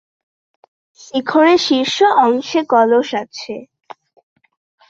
শিখরে শীর্ষ অংশে কলস আছে।